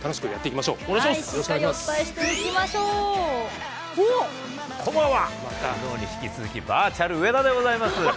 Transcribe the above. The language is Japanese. きのうに引き続き、バーチャル上田でございます。